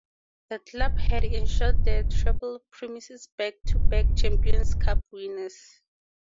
The club had ensured the treble: Premiers, Back to Back Champions, Cup Winners.